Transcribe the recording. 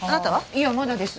いやまだです。